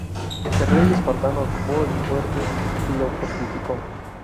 El rey espartano ocupó el fuerte y lo fortificó.